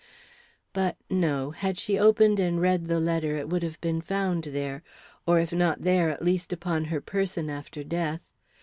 But, no. Had she opened and read the letter it would have been found there; or if not there, at least upon her person after death.